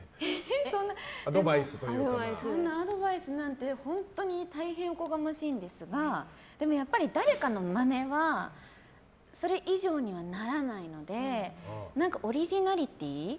そんなアドバイスなんて大変おこがましいんですがやっぱり誰かのまねはそれ以上にはならないのでオリジナリティー。